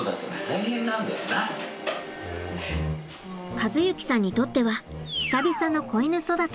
和之さんにとっては久々の子犬育て。